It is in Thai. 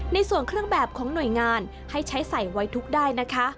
ในส่วนเครื่องแบบของหน่วยงานให้ใช้ใส่ไว้ทุกข์ได้นะคะ